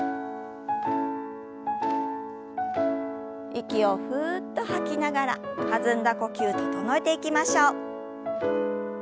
息をふっと吐きながら弾んだ呼吸整えていきましょう。